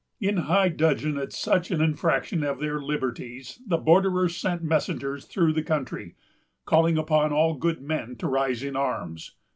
In high dudgeon at such an infraction of their liberties, the borderers sent messengers through the country, calling upon all good men to rise in arms.